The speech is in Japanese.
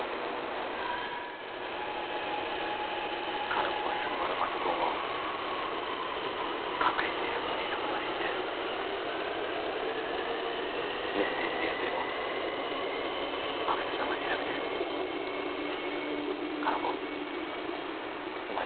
香菜子が鈴間のパソコンを隠して処分したことは知ってるメッセージのやりとりも阿久津さんは調べてる香菜子お前